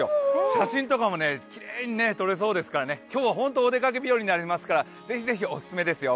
写真とかもきれいに撮れそうですから今日はホント、お出かけ日和になりますからぜひぜひ、おすすめですよ